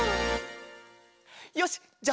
よしじゃあ